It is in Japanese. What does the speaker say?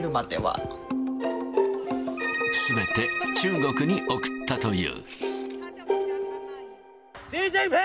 すべて中国に送ったという。